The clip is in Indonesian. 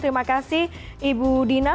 terima kasih ibu dina